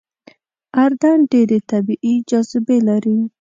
اردن ډېرې طبیعي جاذبې لري.